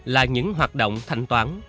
là những hoạt động thanh toán